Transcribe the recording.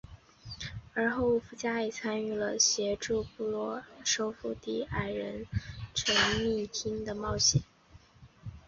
而后沃夫加也参与了协助布鲁诺收复地底矮人城秘银厅的冒险。